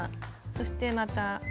そしてまた。